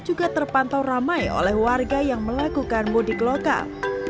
juga terpantau ramai oleh warga yang melakukan mudik lokal